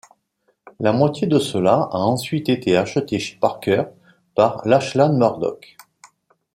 La moitié de cela a ensuite été acheté chez Packer par Lachlan Murdoch.